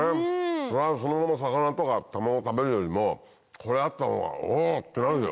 そりゃそのまま魚とか卵食べるよりもこれあったほうが「おぉ！」ってなるよ。